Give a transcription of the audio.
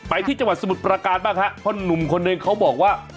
ไปที่จังหวัดสมุทรประการบ้างฮะเพราะหนุ่มคนหนึ่งเขาบอกว่า